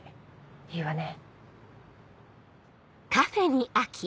いいわね？